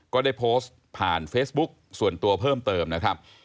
ก็ได้โพสต์ผ่านเฟซบุ๊กส่วนตัวเพิ่มเติมนะครับ